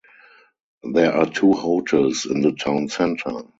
There are two hotels in the town center.